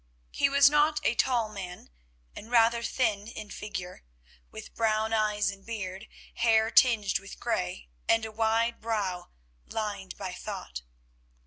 He was not a tall man and rather thin in figure, with brown eyes and beard, hair tinged with grey, and a wide brow lined by thought.